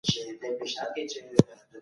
هره ورځ نوې هڅي غواړي